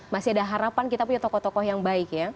masih ada harapan kita punya tokoh tokoh yang baik ya